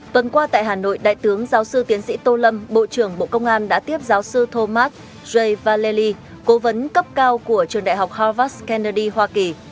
tuần qua tại hà nội đại tướng giáo sư tiến sĩ tô lâm bộ trưởng bộ công an đã tiếp giáo sư thomas j valey cố vấn cấp cao của trường đại học harvard kennedy hoa kỳ